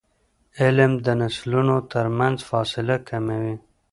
علم د نسلونو ترمنځ فاصله کموي.